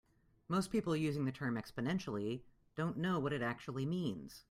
Most people using the term "exponentially" don't know what it actually means.